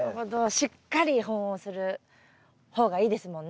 しっかり保温する方がいいですもんね。